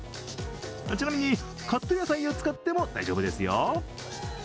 ちなみに、カット野菜を使っても大丈夫ですよ。